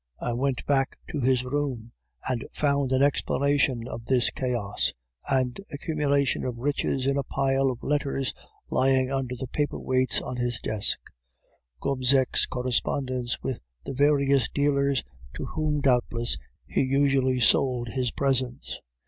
"I went back to his room, and found an explanation of this chaos and accumulation of riches in a pile of letters lying under the paper weights on his desk Gobseck's correspondence with the various dealers to whom doubtless he usually sold his presents.